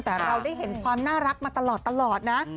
แต่เราได้เห็นความน่ารักมาตลอดนะ